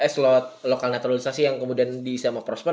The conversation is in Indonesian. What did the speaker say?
slot lokal naturalisasi yang kemudian diisiam sama prosper